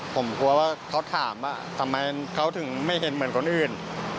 ผมกลัวว่าเขาถามว่าทำไมเขาถึงไม่เห็นเหมือนคนอื่น